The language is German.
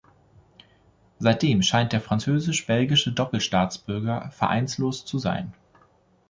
Seitdem scheint der französisch-belgische Doppelstaatsbürger vereinslos zu sein.